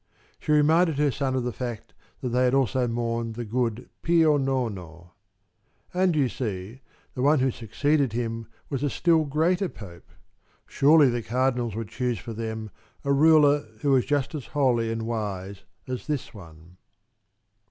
She reminded her son of the fact that they had also mourned the good Pio Nono. And, you see, the one who succeeded him was a still greater Pope. Surely the Cardinals would choose for them a ruler who was just as holy and wise as this one.